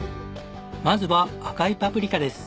まずは赤いパプリカです。